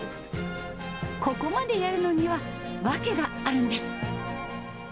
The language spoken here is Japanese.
ここまでやるのには、訳があるんです。